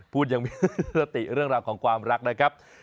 พูดยังมีสติเรื่องราวของความรักนะครับ